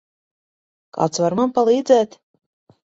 Kāds var man palīdzēt?